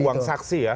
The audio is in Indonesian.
uang saksi ya